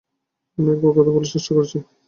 আমি একবার কথা বলার চেষ্টা করেছি।